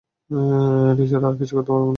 এটা ছাড়া আর কিচ্ছু করতে পারব না।